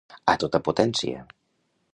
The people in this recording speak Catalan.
A tota potència.